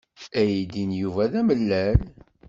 Aydi n Yuba d amellal.